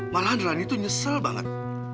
malahan rani tuh nyesel banget